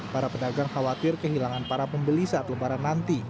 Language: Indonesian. para pedagang khawatir kehilangan para pembeli saat lebaran nanti